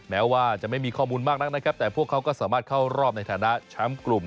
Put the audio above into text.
แม้ว่าจะไม่มีข้อมูลมากนักนะครับแต่พวกเขาก็สามารถเข้ารอบในฐานะแชมป์กลุ่ม